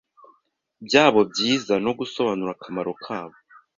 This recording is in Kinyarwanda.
byabo byiza no gusobanura akamaro kabo.